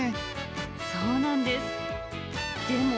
そうなんです。